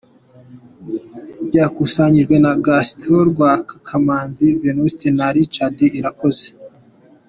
Byakusanyijwe na : Gaston Rwaka, Kamanzi Venuste na Richard Irakoze.